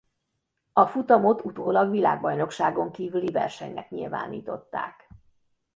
A futamot utólag világbajnokságon kívüli versenynek nyilvánították.